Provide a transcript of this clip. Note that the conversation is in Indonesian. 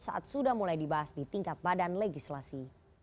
saat sudah mulai dibahas di tingkat badan legislasi